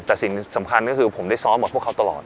แต่สิ่งสำคัญก็คือผมได้ซ้อมกับพวกเขาตลอด